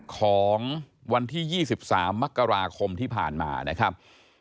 ของวันที่๒๓มกราคมที่ผ่านมานะครับ